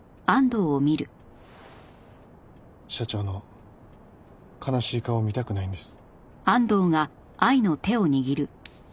社長の悲しい顔を見たくないんです。